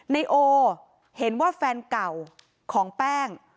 นายโอเห็นว่าแฟนเก่าของแป้ง